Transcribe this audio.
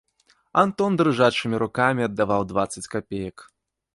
Антон дрыжачымі рукамі аддаваў дваццаць капеек.